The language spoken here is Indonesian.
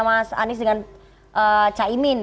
mas anies dengan caimin